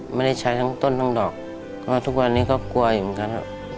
ไม่ได้ใช้ทั้งต้นทั้งดอกก็ทุกวันนี้ก็กลัวอยู่เหมือนกันครับ